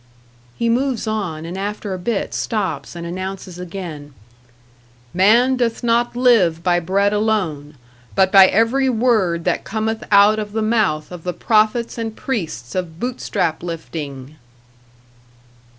He moves on, and after a bit stops and announces again, "Man doth not live by bread alone, but by every word that cometh out of the mouth of the prophets and priests of Bootstrap lifting."